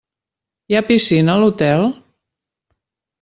Hi ha piscina a l'hotel?